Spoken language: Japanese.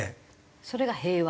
それが平和？